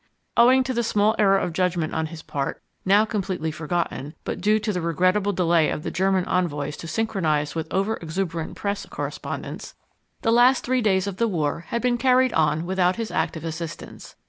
Owing to a small error of judgment on his part, now completely forgotten, but due to the regrettable delay of the German envoys to synchronize with over exuberant press correspondents, the last three days of the war had been carried on without his active assistance.